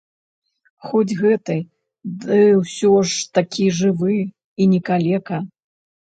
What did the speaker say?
Хоць гэты, ды ўсё ж такі жывы і не калека.